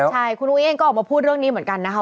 ใช่คุณอุ้งเองก็ออกมาพูดเรื่องนี้เหมือนกันนะคะ